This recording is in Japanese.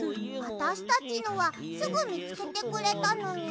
あたしたちのはすぐみつけてくれたのに。